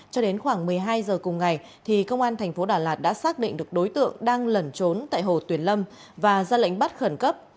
cho đến khoảng một mươi hai giờ cùng ngày công an thành phố đà lạt đã xác định được đối tượng đang lẩn trốn tại hồ tuyền lâm và ra lệnh bắt khẩn cấp